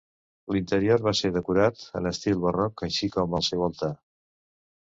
L'interior va ser decorat en estil barroc, així com el seu altar.